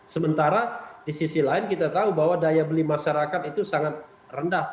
sementara di sisi lain kita tahu bahwa daya beli masyarakat itu sangat rendah